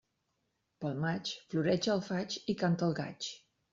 Pel maig floreix el faig i canta el gaig.